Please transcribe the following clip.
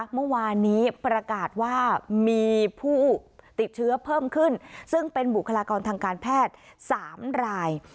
เมื่อวานนี้ประกาศว่ามีผู้ติดเชื้อเพิ่มขึ้นซึ่งเป็นบุคลากรทางการแพทย์๓ราย